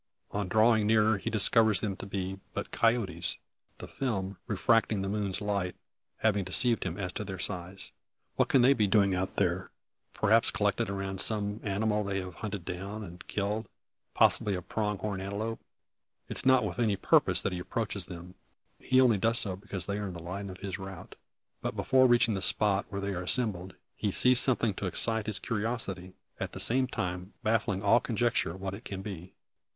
On drawing nearer, he discovers them to be but coyotes; the film, refracting the moon's light, having deceived him as to their size. What can they be doing out there? Perhaps collected around some animal they have hunted down, and killed possibly a prong horn antelope? It is not with any purpose he approaches them. He only does so because they are in the line of his route. But before reaching the spot where they are assembled, he sees something to excite his curiosity, at the same time, baffling all conjecture what it can be.